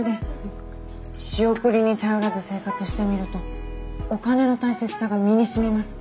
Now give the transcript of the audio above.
仕送りに頼らず生活してみるとお金の大切さが身にしみます。